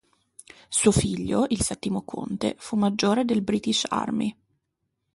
Suo figlio, il settimo conte, fu maggiore del British Army.